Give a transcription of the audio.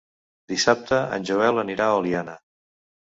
Dissabte en Joel anirà a Oliana.